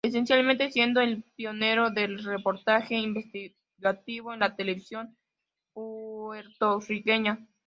Esencialmente siendo el pionero del reportaje investigativo en la televisión puertorriqueña.